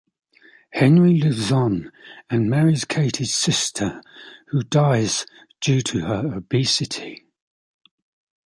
Henry lives on and marries Katy's sister, who dies due to her obesity.